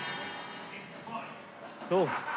そう。